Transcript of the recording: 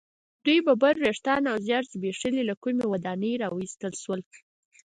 دوی ببر ویښتان او ژیړ زبیښلي له کومې ودانۍ را ویستل شول.